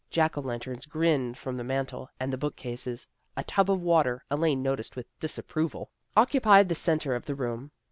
Jack o' lanterns grinned from the mantel and the book cases. A tub of water, Elaine noticed with disapproval, occupied the centre of the room.